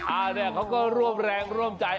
อันนี้เขาก็ร่วมแรงร่วมใจ